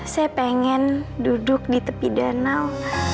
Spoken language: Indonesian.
saya pengen duduk di tepi danau